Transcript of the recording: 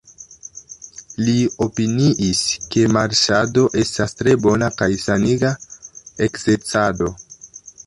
Li opiniis, ke marŝado estas tre bona kaj saniga ekzercado.